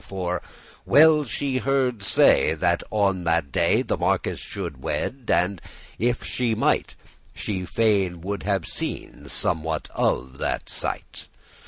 For well she had heard say, that on that day The marquis shoulde wed, and, if she might, She fain would have seen somewhat of that sight.